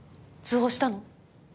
通報したの？